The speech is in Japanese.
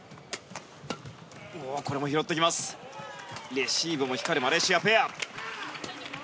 レシーブも光るマレーシアペア。